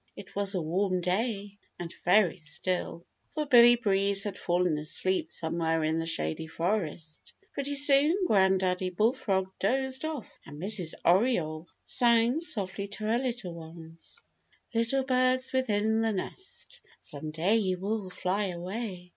It was a warm day and very still, for Billy Breeze had fallen asleep somewhere in the Shady Forest. Pretty soon Granddaddy Bullfrog dozed off and Mrs. Oriole sang softly to her little ones: "Little birds within the nest Some day you will fly away.